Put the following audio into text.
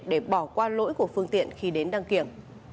để bỏ qua lỗi của phương tiện khi đến đăng kiểm